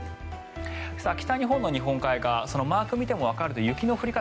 北日本の日本海側マーク見てもわかるように雪の降り方